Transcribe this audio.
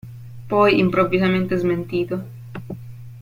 Poi improvvisamente smentito.